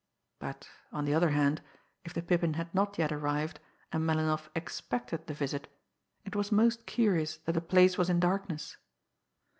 But, on the other hand, if the Pippin had not yet arrived, and Melinoff expected the visit, it was most curious that the place was in darkness!